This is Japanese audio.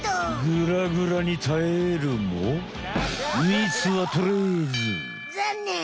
グラグラにたえるもみつは取れず。